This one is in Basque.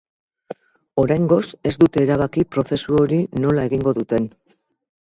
Oraingoz ez dute erabaki prozesu hori nola egingo duten.